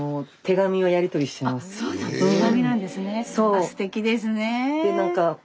あっすてきですね。